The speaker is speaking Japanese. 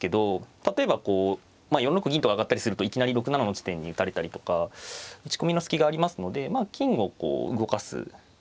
例えばこう４六銀と上がったりするといきなり６七の地点に打たれたりとか打ち込みの隙がありますのでまあ金をこう動かす。